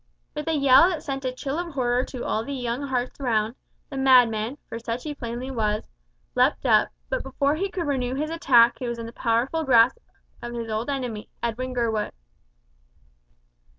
With a yell that sent a chill of horror to all the young hearts round, the madman, for such he plainly was, leaped up, but before he could renew his attack he was in the powerful grasp of his old enemy, Edwin Gurwood.